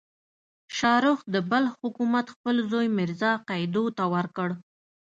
شاهرخ د بلخ حکومت خپل زوی میرزا قیدو ته ورکړ.